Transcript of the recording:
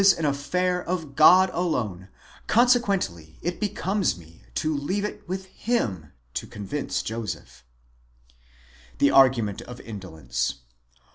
an affair of God alone, consequently it becomes me to leave it with him to convince Joseph (the argument of indolence).